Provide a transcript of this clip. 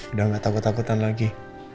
udah gak takut takutan lagi